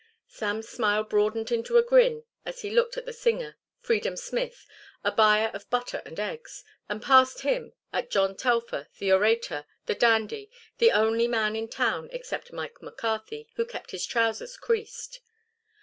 Sam's smile broadened into a grin as he looked at the singer, Freedom Smith, a buyer of butter and eggs, and past him at John Telfer, the orator, the dandy, the only man in town, except Mike McCarthy, who kept his trousers creased.